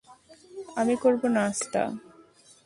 আমি করবো নাস্তা।